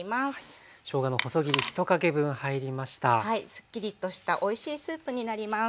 すっきりとしたおいしいスープになります。